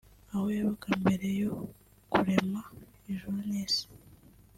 aho yabaga mbere yo kurema ijuru n’isi